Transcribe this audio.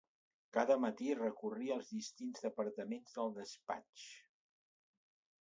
Cada matí recorria els distints departaments del despatx